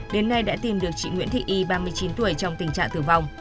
đến nay đã tìm được chị nguyễn thị y ba mươi chín tuổi trong tình trạng tử vong